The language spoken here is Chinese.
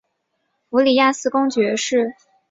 弗里亚斯公爵是西班牙王国最悠久的公爵封号之一。